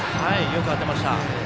よく当てました。